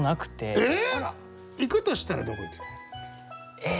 行くとしたらどこ行きたい？え。